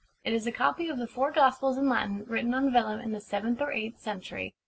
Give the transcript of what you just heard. It is a copy of the Four Gospels in Latin, written on vellum in the seventh or eighth century.